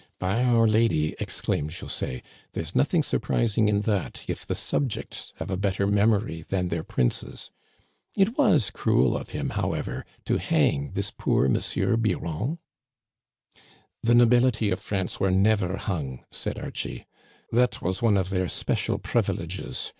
"By our lady," exclaimed José, "there's nothing surprising in that, if the subjects have a better memory than their princes ! It was cruel of him, however, to hang this poor M. Biron." "The nobility of France were never hung," said Archie. "That was one of their special privileges.